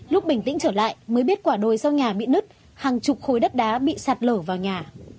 lúc bình tĩnh trở lại mới biết quả đồi sau nhà bị nứt hàng chục khối đất đá bị sạt lở vào nhà